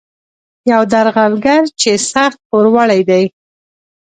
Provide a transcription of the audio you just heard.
یو درغلګر چې سخت پوروړی دی.